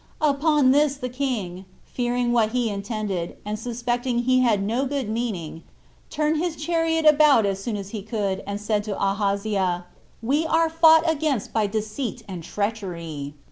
Upon this the king, fearing what he intended, and suspecting he had no good meaning, turned his chariot about as soon as he could, and said to Ahaziah, "We are fought against by deceit and treachery."